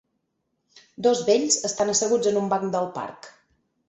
dos vells estan asseguts en un banc del parc